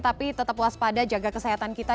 tetap puas pada jaga kesehatan kita